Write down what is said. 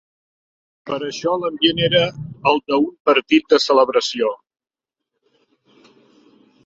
Per això l'ambient era el d'un partit de celebració.